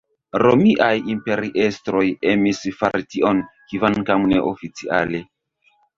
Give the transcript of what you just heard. Romiaj imperiestroj emis fari tion, kvankam neoficiale.